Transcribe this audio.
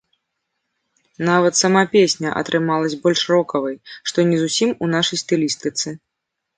Нават сама песня атрымалася больш рокавай, што не зусім у нашай стылістыцы.